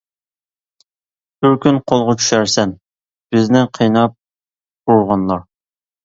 بىر كۈن قولغا چۈشەرسەن، بىزنى قىيناپ ئۇرغانلار.